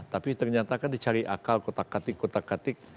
tapi ternyata kan dicari akal kotak katik kotak katik